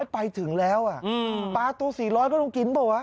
ไปถึงแล้วปลาตัว๔๐๐ก็ต้องกินเปล่าวะ